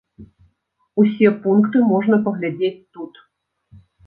Усе пункты можна паглядзець тут.